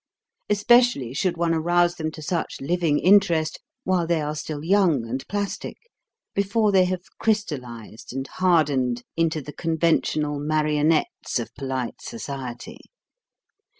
Especially should one arouse them to such living interest while they are still young and plastic, before they have crystallised and hardened into the conventional marionettes of polite society.